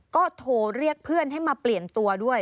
ก็โทรเรียกเพื่อนให้มาเปลี่ยนตัวด้วย